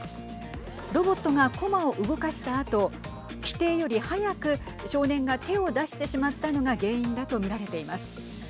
ロボットが駒を動かしたあと規定より早く少年が手を出してしまったのが原因だと見られています。